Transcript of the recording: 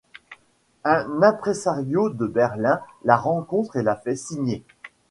Un imprésario de Berlin la rencontre et la fait signer.